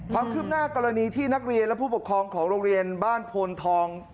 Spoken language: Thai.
ความคืบหน้ากรณีที่นักเรียนและผู้ปกครองของโรงเรียนบ้านโพนทอง